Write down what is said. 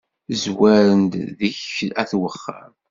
Zwaren-d deg-k at uxxam.